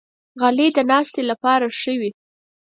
غلۍ د ناستې لپاره ښه وي.